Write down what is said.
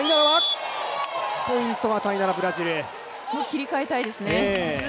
切り替えたいですね。